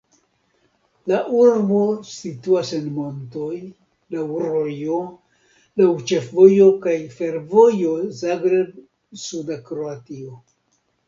La urbo situas en montoj, laŭ rojo, laŭ ĉefvojo kaj fervojo Zagreb-suda Kroatio.